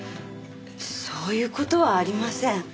そういう事はありません。